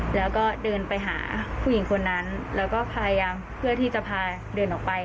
แล้วก็เดินไปหาผู้หญิงคนนั้นแล้วก็พยายามเพื่อที่จะพาเดินออกไป